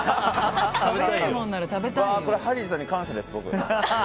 これ、ハリーさんに感謝です、僕。